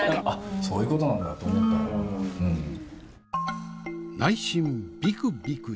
あっそういうことなんだと思ったらうん。